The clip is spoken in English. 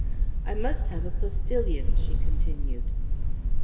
"I must have a postillion," she continued.